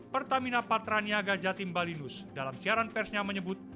pertamina patraniaga jatim balinus dalam siaran persnya menyebut